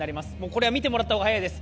これは見てもらった方が早いです。